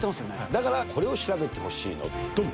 だから、これを調べてほしいの、どん。